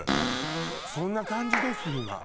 そんな感じです今。